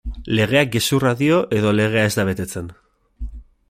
Legeak gezurra dio edo legea ez da betetzen?